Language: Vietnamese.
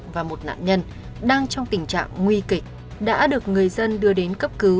và một nạn nhân đang trong tình trạng nguy kịch đã được người dân đưa đến cấp cứu